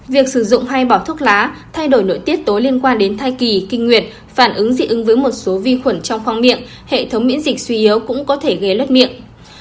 việc sử dụng hay bỏ thuốc lá thay đổi nội tiết tối liên quan đến thai kỳ kinh nguyệt phản ứng dị ứng với một số vi khuẩn trong khoang miệng hệ thống miễn dịch suy yếu cũng có thể gây lất miệng